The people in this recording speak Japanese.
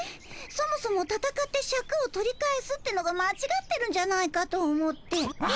そもそもたたかってシャクを取り返すってのがまちがってるんじゃないかと思って。